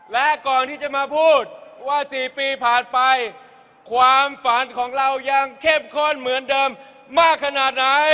และก่อนที่จะมาพูดว่า๔ปีผ่านไปความฝันของเรายังเข้มข้นเหมือนเดิมมากขนาดไหน